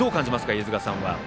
飯塚さんは。